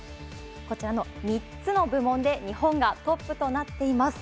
こちらの３つの部門で日本がトップとなっています。